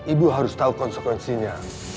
ibu harus tahu konsekuensinya